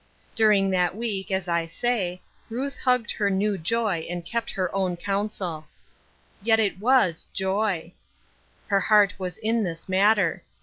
During that week, as I say, Ruth hugged her new joy and kept her own counsel. Yet it was joy. Her heart was in this matter.